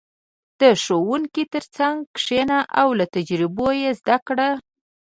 • د ښوونکي تر څنګ کښېنه او له تجربو یې زده کړه.